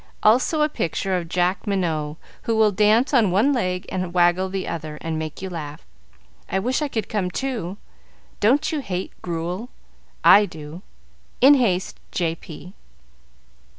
Also a picture of Jack Minot, who will dance on one leg and waggle the other, and make you laugh. I wish I could come, too. Don't you hate grewel? I do. In haste, "J.P."